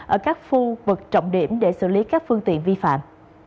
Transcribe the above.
ở các khu vực trọng điểm để xử lý các phương tiện vi phạm